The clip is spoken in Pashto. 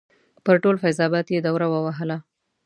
پر ټول فیض اباد یې دوره ووهله.